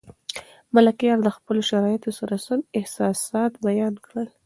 ملکیار د خپلو شرایطو سره سم احساسات بیان کړي.